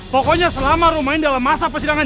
pokoknya selama rumah ini dalam masa persidangan